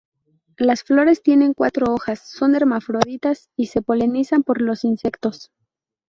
Las flores tienen cuatro hojas, son hermafroditas y se polinizan por los insectos.